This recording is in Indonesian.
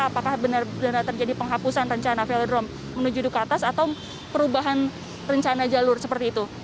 apakah benar benar terjadi penghapusan rencana velodrome menuju duka atas atau perubahan rencana jalur seperti itu